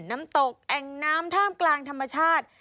น้ำตกแอ่งน้ำท่ามกลางธรรมชาติ